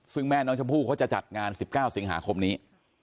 ซึ่งแม่น้องชมพู่เขาจะจัดงาน๑๙สิงหาคมนี้